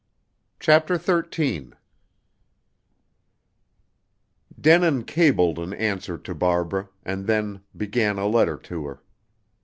CHAPTER XIII Denin cabled an answer to Barbara, and then began a letter to her.